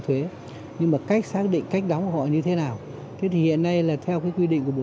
thuế nhưng mà cách xác định cách đóng của họ như thế nào thế thì hiện nay là theo cái quy định của bộ